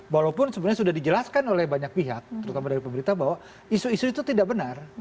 walaupun sebenarnya sudah dijelaskan oleh banyak pihak terutama dari pemerintah bahwa isu isu itu tidak benar